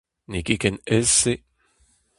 N'eo ket ken aes se.